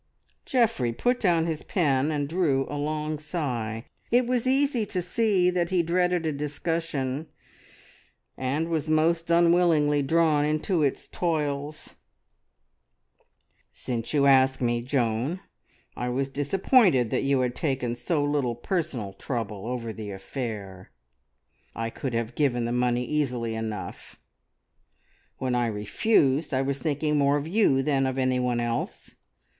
Geoffrey put down his pen and drew a long sigh. It was easy to see that he dreaded a discussion, and was most unwillingly drawn into its toils. "Since you ask me, Joan, I was disappointed that you had taken so little personal trouble over the affair. I could have given the money easily enough; when I refused I was thinking more of you than of any one else.